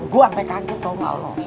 gue ampe kaget tau ma allah